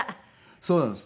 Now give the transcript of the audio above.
そうなんです。